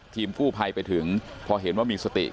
ทีมกู้ภัยไปถึงพอเห็นว่ามีสติ